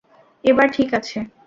এবার ঠিক আছে?